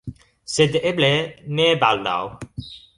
Sed eble, ne baldaŭ.